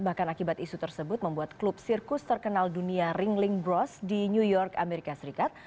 bahkan akibat isu tersebut membuat klub sirkus terkenal dunia ringling bros di new york amerika serikat